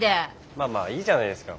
まあまあいいじゃないですか。